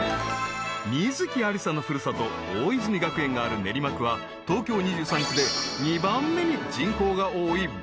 ［観月ありさの古里大泉学園がある練馬区は東京２３区で２番目に人口が多いベッドタウン］